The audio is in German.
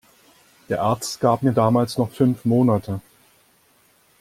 Der Arzt gab mir damals noch fünf Monate.